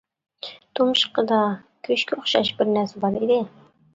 تۇمشۇقىدا گۆشكە ئوخشاش بىرنەرسە بار ئىدى.